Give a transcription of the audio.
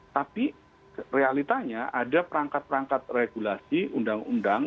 tapi realitanya ada perangkat perangkat regulasi undang undang